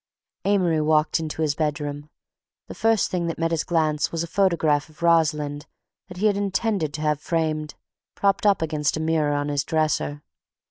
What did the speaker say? Amory walked into his bedroom. The first thing that met his glance was a photograph of Rosalind that he had intended to have framed, propped up against a mirror on his dresser.